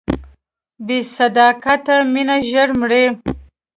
بې صداقته مینه ژر مري.